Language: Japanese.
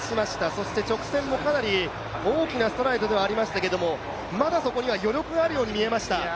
そして直線もかなり大きなストライドではありましたけどまだそこには余力があるように見えました。